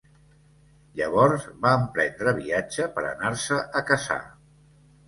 Llavors, va emprendre viatge per anar-se a casar.